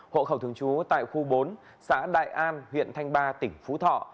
hộ khẩu thường trú tại khu bốn xã đại an huyện thanh ba tỉnh phú thọ